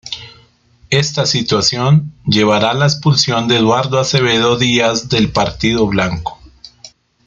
Esta situación llevará a la expulsión de Eduardo Acevedo Díaz del Partido Blanco.